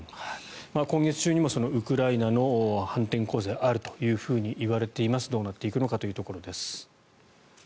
今月中にもウクライナの反転攻勢があるといわれていますがどうなっていくのかというところです。